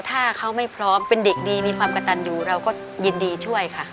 ถ้าเขาไม่พร้อมเป็นเด็กดีมีความกระตันอยู่เราก็ยินดีช่วยค่ะ